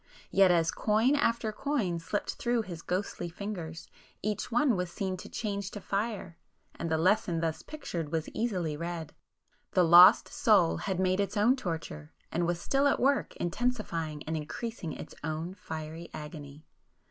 Yet as coin after coin slipped through his ghostly fingers, each one was seen to change to fire,—and the lesson thus pictured was easily read. The lost soul had made its own torture, and was still at work intensifying and increasing its own fiery agony.